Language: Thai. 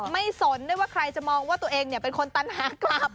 ไม่สนได้ว่าใครจะมองว่าตัวเองเนี่ยเป็นคนตันหากลับ